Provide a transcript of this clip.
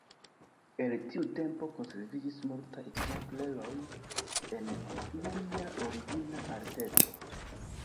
El tiu tempo konserviĝis multaj ekzempleroj en ilia origina alteco.